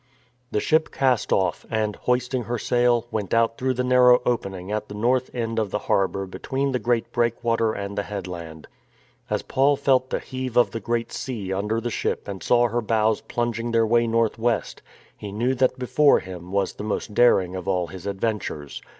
The ship cast off, and, hoisting her sail, went out through the narrow opening at the north end of the harbour between the great breakwater and the head land. As Paul felt the heave of the Great Sea under the ship and saw her bows plunging their way north west, he knew that before him was the most daring of all his adventures.